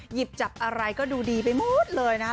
หยิบจับอะไรก็ดูดีไปหมดเลยนะ